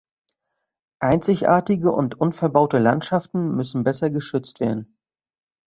Einzigartige und unverbaute Landschaften müssen besser geschützt werden.